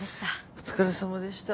お疲れさまでした。